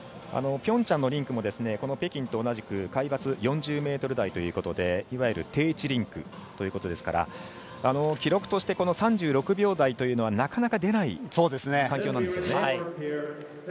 ピョンチャンのリンクもこの北京と同じく海抜４０ｍ台ということでいわゆる低地リンクということですから記録として３６秒台というのはなかなか出ない環境なんですね。